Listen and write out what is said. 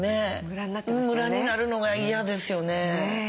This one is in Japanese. ムラになるのが嫌ですよね。